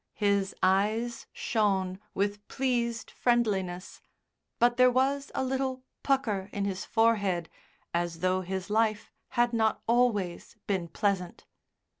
His eyes shone with pleased friendliness, but there was a little pucker in his forehead, as though his life had not always been pleasant.